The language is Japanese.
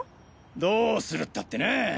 どうするったってなぁ。